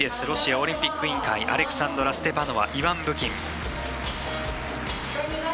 ロシアオリンピック委員会アレクサンドラ・ステパノワイワン・ブキン。